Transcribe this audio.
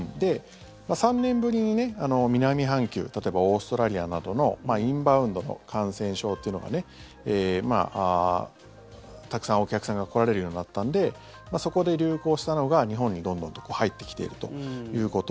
３年ぶりに南半球例えば、オーストラリアなどのインバウンドの感染症というのがたくさんお客さんが来られるようなったのでそこで流行したのが日本にどんどんと入ってきているということ。